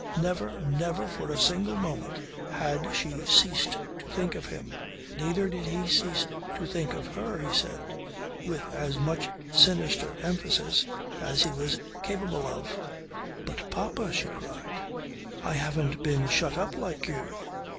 Never, never for a single moment had she ceased to think of him. Neither did he cease to think of her, he said, with as much sinister emphasis as he was capable of. "But, papa," she cried, "I haven't been shut up like you."